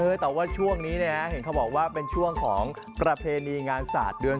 แต่ว่าช่วงนี้เนี่ยนะเห็นเขาบอกว่าเป็นช่วงของประเพณีงานศาสตร์เดือน